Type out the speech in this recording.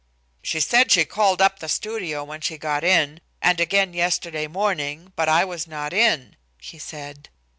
"She said she called up the studio when she got in, and again yesterday morning, but I was not in," he said.